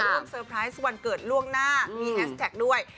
เซอร์ไพรส์วันเกิดล่วงหน้ามีแฮชแท็กด้วย